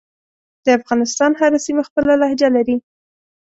دافغانستان هره سیمه خپله لهجه لری